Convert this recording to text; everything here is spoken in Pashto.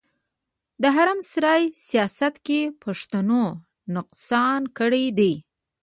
د حرم سرای سياست کې پښتنو نقصان کړی دی.